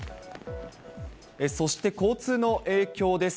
そして交通の影響です。